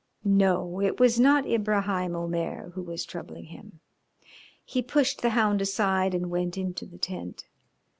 No, it was not Ibraheim Omair who was troubling him. He pushed the hound aside and went into the tent.